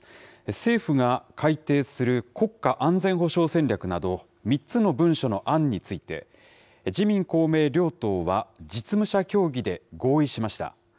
政府が改定する国家安全保障戦略など、３つの文書の案について、自民、公明両党は実務者協議で合意しました。